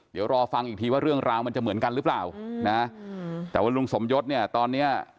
เดี๋ยวรอฟังอีกทีว่าเรื่องราวมันจะเหมือนกันหรือเปล่านะแต่ว่าลุงสมยศเนี่ยตอนเนี้ย